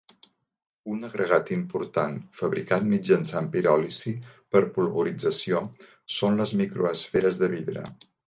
Un agregat important fabricat mitjançant piròlisi per polvorització són les microesferes de vidre.